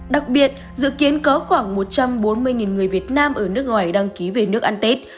đặc biệt dự kiến có khoảng một trăm bốn mươi người việt nam ở nước ngoài đăng ký về nước ăn tết